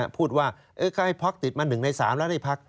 พูดว่าใครพักติดมา๑ใน๓แล้วได้พัก